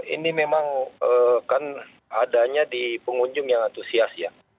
ini memang kan adanya di pengunjung yang antusias ya